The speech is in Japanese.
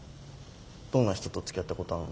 どんな人とつきあったことあるの？